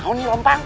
amu ini rompang